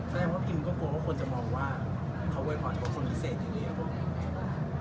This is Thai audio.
แสดงว่าพิมก็กลัวว่าคนจะมองว่าเขาโวยพรจะเป็นคนพิเศษทีเดียว